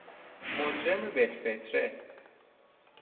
مجرم بالفطره